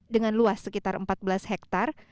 dengan luas sekitar empat belas hektare